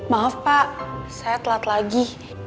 maaf pak saya telat lagi